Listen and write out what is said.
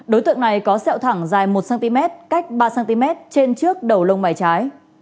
đối tượng này có sẹo thẳng dài một cm cách ba cm trên trước đầu lông mày trái